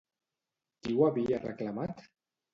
Qui ho havia reclamat?